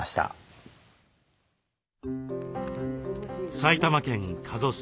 埼玉県加須市。